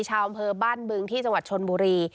ชาวบ้านบึงที่จังหวัดชนบุรี